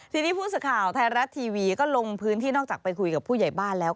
ทีนี้ผู้สื่อข่าวไทยรัฐทีวีก็ลงพื้นที่นอกจากไปคุยกับผู้ใหญ่บ้านแล้ว